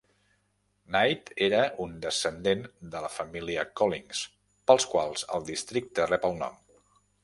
Knight era un descendent de la família Collings pels quals, el districte rep el nom.